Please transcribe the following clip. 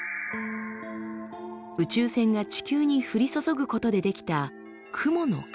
宇宙線が地球に降り注ぐことで出来た